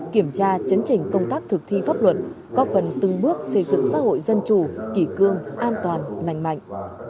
kiểm tra chấn trình công tác thực thi pháp luật có phần từng bước xây dựng xã hội dân chủ kỷ cương an toàn lành mạnh